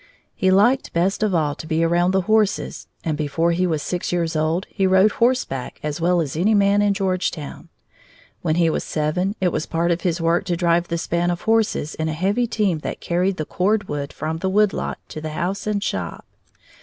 He liked best of all to be around the horses, and before he was six years old he rode horseback as well as any man in Georgetown. When he was seven, it was part of his work to drive the span of horses in a heavy team that carried the cord wood from the wood lot to the house and shop.